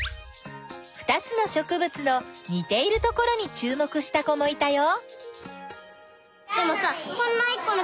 ２つのしょくぶつのにているところにちゅうもくした子もいたよ。